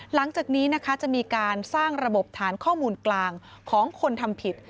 หลังจากนี้นะคะจะมีการสร้างระบบฐานข้อมูลกลางของคนทำผิด